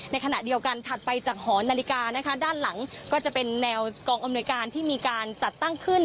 ในขณะเดียวกันถัดไปจากหอนาฬิกานะคะด้านหลังก็จะเป็นแนวกองอำนวยการที่มีการจัดตั้งขึ้น